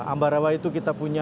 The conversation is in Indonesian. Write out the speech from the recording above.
ambarawa itu kita punya